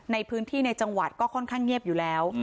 ในพื้นที่ในจังหวัดก็ค่อนข้างเงียบอยู่แล้ว